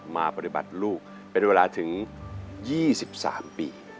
มาปฏิบัติลูกเป็นเวลาถึง๒๓ปี